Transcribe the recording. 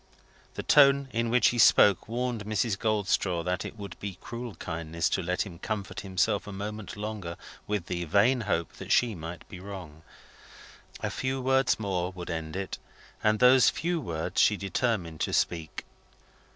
The tone in which he spoke warned Mrs. Goldstraw that it would be cruel kindness to let him comfort himself a moment longer with the vain hope that she might be wrong. A few words more would end it, and those few words she determined to speak.